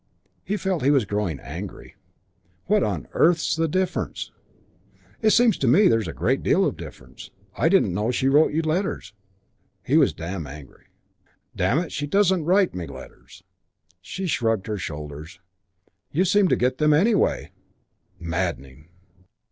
He felt he was growing angry. "What on earth's the difference?" "It seems to me there's a great deal of difference. I didn't know she wrote you letters." He was angry. "Damn it, she doesn't write me letters." She shrugged her shoulders. "You seem to get them anyway." Maddening!